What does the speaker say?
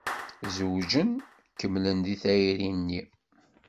Zewǧen. Kemmlen di tayri-nni.